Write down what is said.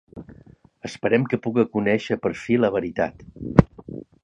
Esperem que puga conèixer per fi la veritat.